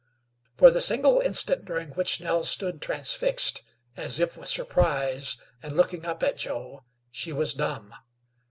For the single instant during which Nell stood transfixed, as if with surprise, and looking up at Joe, she was dumb.